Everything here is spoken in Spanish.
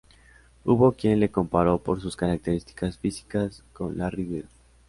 Hubo quien le comparó, por sus características físicas, con Larry Bird.